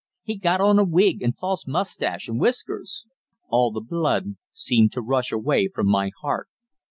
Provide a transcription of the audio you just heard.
He'd got on a wig and false moustache and whiskers." All the blood seemed to rush away from my heart.